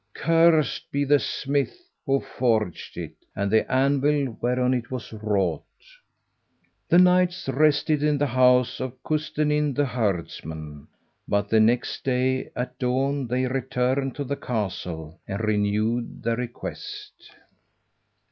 Cursed be the smith who forged it, and the anvil whereon it was wrought." The knights rested in the house of Custennin the herdsman, but the next day at dawn they returned to the castle and renewed their request.